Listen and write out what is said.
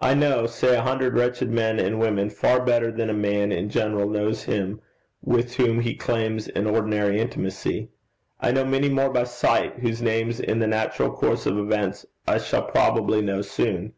I know, say, a hundred wretched men and women far better than a man in general knows him with whom he claims an ordinary intimacy. I know many more by sight whose names in the natural course of events I shall probably know soon.